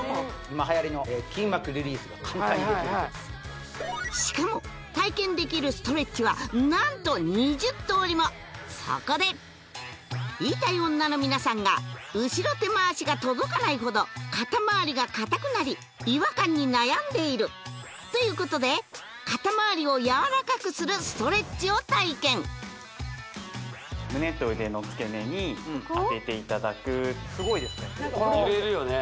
今はやりの筋膜リリースが簡単にできるしかも体験できるストレッチは何と２０通りもそこで言いたい女の皆さんが後ろ手回しが届かないほど肩周りが硬くなり違和感に悩んでいるということで肩周りをやわらかくするストレッチを体験胸と腕の付け根に当てていただく揺れるよね